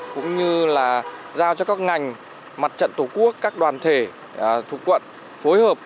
và giao cho các ngành mặt trận tổ quốc các đoàn thể thuộc quận phối hợp